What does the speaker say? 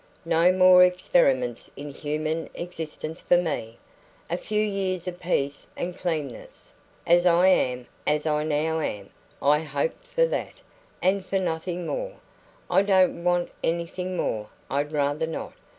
"No more experiments in human existence for me! A few years of peace and cleanness, as I am as I now am I hope for that, and for nothing more; I don't want anything more I'd rather not.